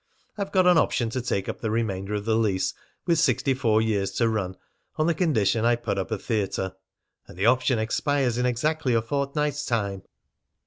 "I've got an option to take up the remainder of the lease, with sixty four years to run, on the condition I put up a theatre. And the option expires in exactly a fortnight's time."